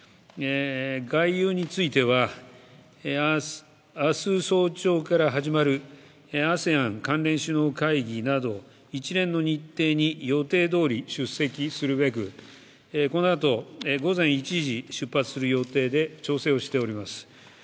外遊については明日早朝から始まるＡＳＥＡＮ関連首脳会議など一連の日程に予定どおり出席するべくこのあと午前１時出発する予定で調整をしております。